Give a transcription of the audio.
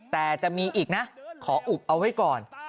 แต่จะมีอีกนะขออุบเอาไว้ก่อน